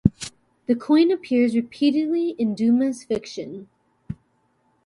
The coin appears repeatedly in Dumas' fiction.